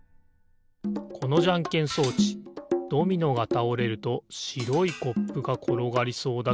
このじゃんけん装置ドミノがたおれるとしろいコップがころがりそうだけど。